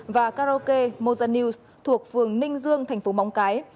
và karaoke moza news thuộc phường ninh dương thành phố móng cái